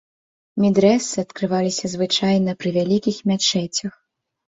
Медрэсэ адкрываліся звычайна пры вялікіх мячэцях.